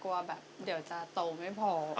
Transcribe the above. แบบเดี๋ยวจะโตไม่พอ